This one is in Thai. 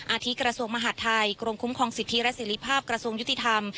อาทิกระทรวงมหาทไทยกรงคุมของสิทธิและสิริภาพกระทรวงยุติธรรม